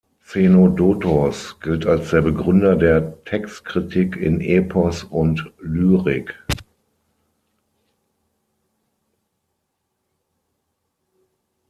Zenodotos gilt als der Begründer der Textkritik in Epos und Lyrik.